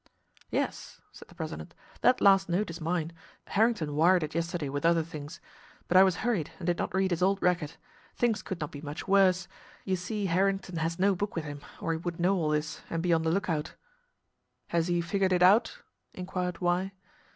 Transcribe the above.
"Yes," said the president, "that last note is mine. Harrington wired it yesterday with other things. But I was hurried and did not read his old record. Things could not be much worse. You see Harrington has no book with him, or he would know all this, and be on the lookout." "Has he figured it out?" inquired Y.